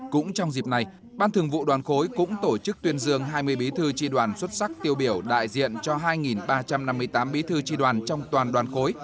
cũng trong dịp này ban thường vụ đoàn khối cũng tổ chức tuyên dương hai mươi bí thư tri đoàn xuất sắc tiêu biểu đại diện cho hai ba trăm năm mươi tám bí thư tri đoàn trong toàn đoàn khối